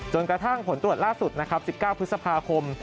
จนกระทั่งผลตรวจล่าสุด๑๙พฤษภาคม